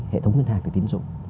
hệ thống ngân hàng thì tín dụng